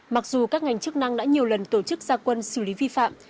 mặc dù các ngành chức năng đã nhiều lần tổ chức gia quân xử lý vi phạm